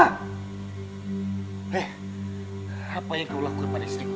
eh apa yang kau lakukan pada istriku